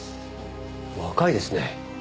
若いですね。